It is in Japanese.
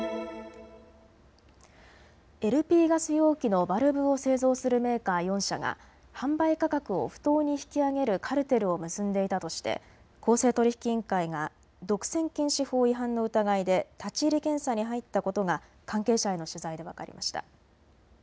ＬＰガス容器のバルブを製造するメーカー４社が販売価格を不当に引き上げるカルテルを結んでいたとして公正取引委員会が独占禁止法違反の疑いで立ち入り検査に入ったことが関係者への取材で分かりました。